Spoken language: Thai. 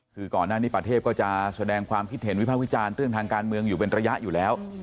คือก่อนหน้านี้ประเทศก็จะแสดงความคิดเห็นวิภาควิจารณ์เรื่องทางการเมืองอยู่เป็นระยะอยู่แล้ว